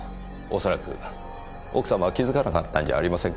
恐らく奥様は気づかなかったんじゃありませんか？